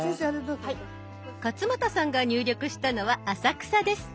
勝俣さんが入力したのは「浅草」です。